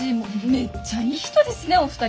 めっちゃいい人ですねお二人。